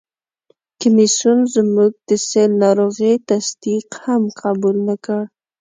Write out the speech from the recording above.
کمیسیون زموږ د سِل ناروغي تصدیق هم قبول نه کړ.